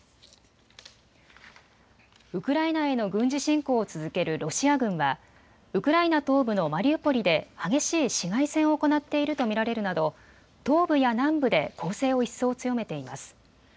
ウクライナへの軍事侵攻を続けるロシア軍はウクライナ東部のマリウポリで激しい市街戦を行っていると見られるなど東部や南部で攻勢を一層強めています。